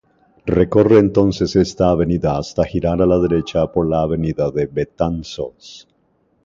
Recorre entonces esta avenida hasta girar a la derecha por la Avenida de Betanzos.